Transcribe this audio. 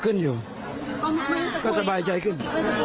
แต่ละคนก็มีสินคืน